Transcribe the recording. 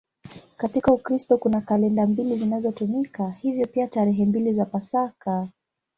Katika Ukristo kuna kalenda mbili zinazotumika, hivyo pia tarehe mbili za Pasaka.